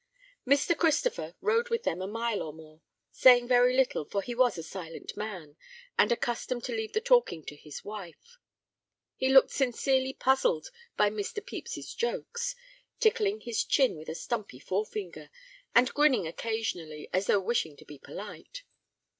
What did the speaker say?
Mr. Christopher rode with them a mile or more, saying very little, for he was a silent man, and accustomed to leave the talking to his wife. He looked sincerely puzzled by Mr. Pepys's jokes, tickling his chin with a stumpy forefinger, and grinning occasionally as though wishing to be polite.